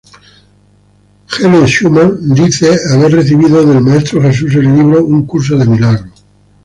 Helen Schuman dice haber recibido del Maestro Jesús el libro "Un curso de milagros".